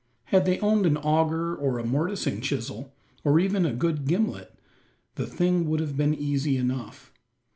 Had they owned an auger or a mortising chisel, or even a good gimlet, the thing would have been easy enough.